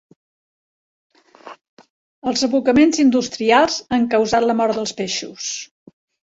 Els abocaments industrials han causat la mort dels peixos.